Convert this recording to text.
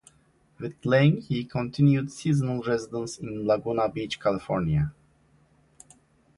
With Laing, he continued seasonal residence in Laguna Beach, California.